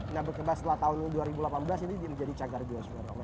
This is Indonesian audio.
nah berkembang setelah tahun dua ribu delapan belas ini menjadi cagar jua